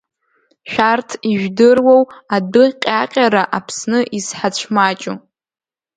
Шәарҭ ижәдыруоу адәы ҟьаҟьара Аԥсны изҳацәмаҷу?